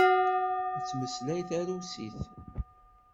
Yettmeslay tarusit.